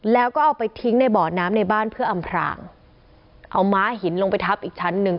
แล้วก็เอาไปทิ้งในบ่อน้ำในบ้านเพื่ออำพรางเอาม้าหินลงไปทับอีกชั้นหนึ่ง